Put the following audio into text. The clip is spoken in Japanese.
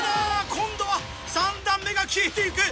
今度は３段目が消えていく！